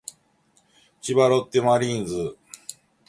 千葉ロッテマリーンズ